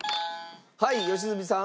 はい良純さん。